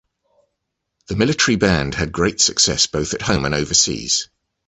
The Military Band had great success both at home and overseas.